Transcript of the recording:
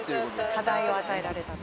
課題を与えられたと。